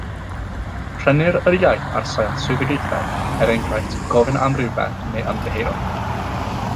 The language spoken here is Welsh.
Rhennir yr iaith ar sail swyddogaethau, er enghraifft gofyn am rywbeth neu ymddiheuro.